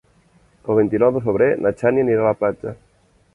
El vint-i-nou de febrer na Xènia anirà a la platja.